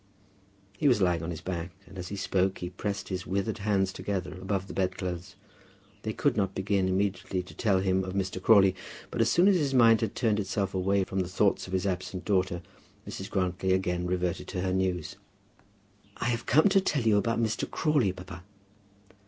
He was lying on his back, and as he spoke he pressed his withered hands together above the bedclothes. They could not begin immediately to tell him of Mr. Crawley, but as soon as his mind had turned itself away from the thoughts of his absent daughter, Mrs. Grantly again reverted to her news. "We have come to tell you about Mr. Crawley, papa."